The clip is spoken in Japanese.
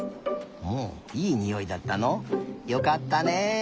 ほういいにおいだったの。よかったね！